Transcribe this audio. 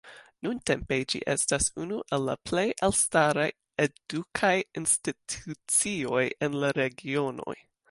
Nuntempe ĝi estas unu el la plej elstaraj edukaj institucioj en la regiono.